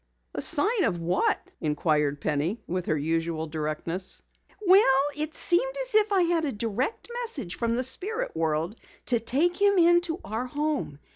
"A sign of what?" inquired Penny with her usual directness. "Well, it seemed as if I had a direct message from the spirit world to take him into our home.